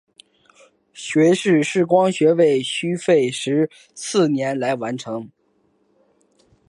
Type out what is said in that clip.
学士视光学位需费时四年来完成。